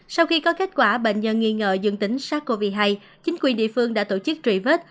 sau khi có kết quả bệnh nhân nghi ngờ dương tính sars cov hai chính quyền địa phương đã tổ chức truy vết